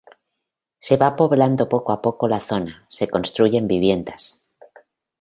Se va poblando poco a poco la zona, se construyen viviendas.